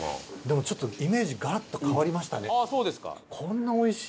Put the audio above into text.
でもちょっとイメージガラッと変わりましたね。